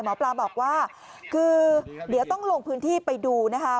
หมอปลาบอกว่าคือเดี๋ยวต้องลงพื้นที่ไปดูนะคะ